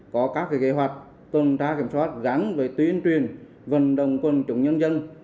có các kế hoạch tôn trá kiểm soát gắn với tuyến truyền vận động quân chủng nhân dân